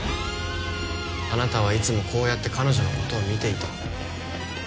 あなたはいつもこうやって彼女のことを見ていた。